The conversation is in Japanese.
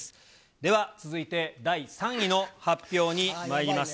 では、続いて第３位の発表にまいります。